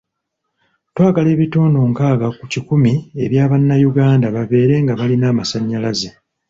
Twagala ebitundu nkaaga ku kikumi ebya bannayuganda babeere nga balina amasannyalaze.